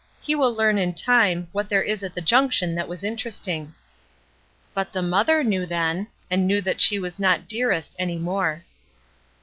He will learn, in time, what there was at the junction that was interesting." But the mother knew then, and knew that she was not "dearest" any more.